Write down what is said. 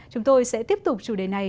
chúng tôi sẽ tiếp tục chủ đề này